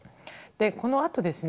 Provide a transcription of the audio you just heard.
このあとですね